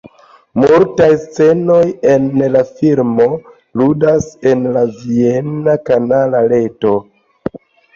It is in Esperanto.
Multaj scenoj en la filmo ludas en la viena kanala reto.